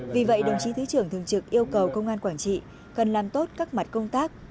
vì vậy đồng chí thứ trưởng thường trực yêu cầu công an quảng trị cần làm tốt các mặt công tác